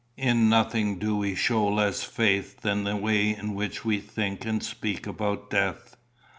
In nothing do we show less faith than the way in which we think and speak about death.